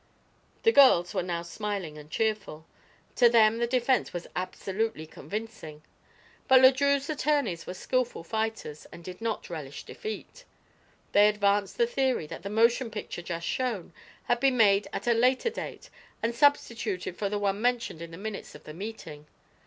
The girls were now smiling and cheerful. To them the defense was absolutely convincing. But Le Drieux's attorneys were skillful fighters and did not relish defeat. They advanced the theory that the motion picture, just shown, had been made at a later dale and substituted for the one mentioned in the minutes of the meeting.